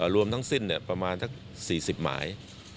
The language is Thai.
รวมทั้งสิ้นประมาณสัก๔๐หมาย